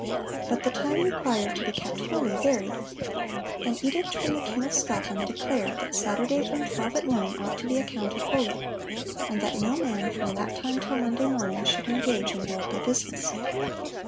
But the time required to be kept holy varied. An edict from the king of Scotland declared that "Saturday from twelve at noon ought to be accounted holy," and that no man, from that time till Monday morning, should engage in worldly business.